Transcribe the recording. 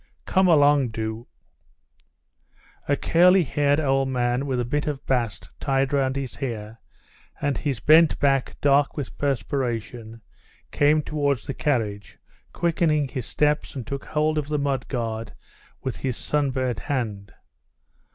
"Come along, do!" A curly headed old man with a bit of bast tied round his hair, and his bent back dark with perspiration, came towards the carriage, quickening his steps, and took hold of the mud guard with his sunburnt hand.